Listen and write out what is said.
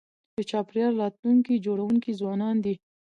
د چاپېریال د راتلونکي جوړونکي ځوانان دي.